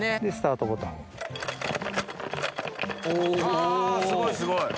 あすごいすごい！